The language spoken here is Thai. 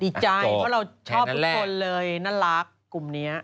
ดีใจเพราะเราชอบทุกคนเลยน่ารักกลุ่มนี้